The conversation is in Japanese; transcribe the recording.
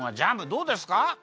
どうですか？